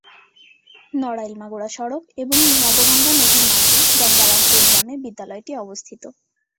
নড়াইল-মাগুরা সড়ক এবং নবগঙ্গা নদীর মাঝে গঙ্গারামপুর গ্রামে বিদ্যালয়টি অবস্থিত।